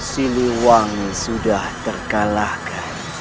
siliwangi sudah terkalahkan